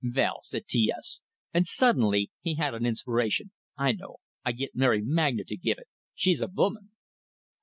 "Vell," said T S and suddenly he had an inspiration. "I know. I git Mary Magna to give it! She's a voman!"